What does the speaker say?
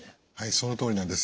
そのとおりなんです。